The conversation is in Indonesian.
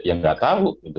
ya enggak tahu